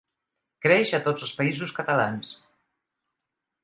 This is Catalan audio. Creix a tots els Països Catalans.